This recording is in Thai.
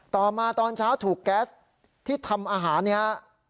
ต่อมาตอนเช้าถูกแก๊สที่ทำอาหารเนี่ยฮะ